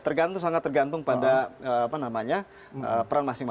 tergantung sangat tergantung pada peran masing masing